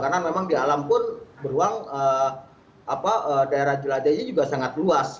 karena memang di alam pun beruang apa daerah jelajahnya juga sangat luas